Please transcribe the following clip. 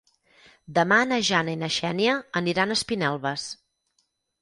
Demà na Jana i na Xènia aniran a Espinelves.